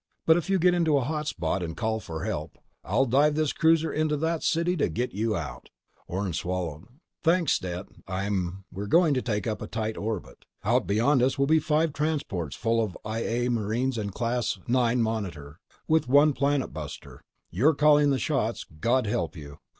But if you get into a hot spot, and call for help, I'll dive this cruiser into that city to get you out!" Orne swallowed. "Thanks, Stet. I'm—" "We're going to take up a tight orbit. Out beyond us will be five transports full of I A marines and a Class IX Monitor with one planet buster. You're calling the shots, God help you!